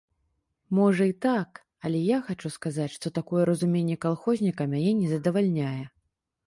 Можа і так, але я хачу сказаць, што такое разуменне калхозніка мяне не задавальняе.